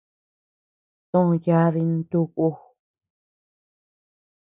Too yadi ntu ku.